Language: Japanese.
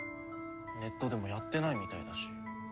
ネットでもやってないみたいだし。